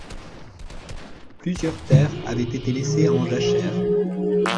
Plusieurs terres avaient été laissées en jachère.